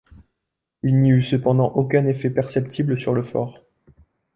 Il n'y eut cependant aucun effet perceptible sur le fort.